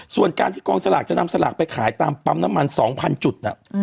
ส่วนการที่กองสลากจะนำสลากไปขายตามปั๊มน้ำมัน๒๐๐จุด